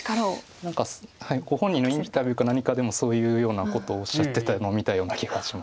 何かご本人のインタビューか何かでもそういうようなことをおっしゃってたのを見たような気がします。